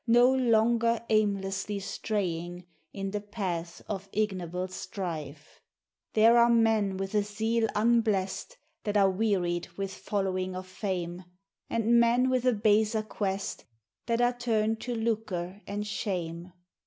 No longer aimlessly straying in the paths of ig noble strife. There are men with a zeal unblest. that are wearied with following of fame, And men with a baser quest, that are turned to lucre and shame.